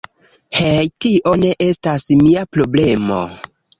Hej, tio ne estas mia problemo